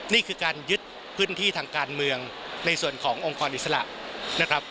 นี่คือการยึดพื้นที่ทางการเมืองในส่วนขององค์กรอิสระนะครับ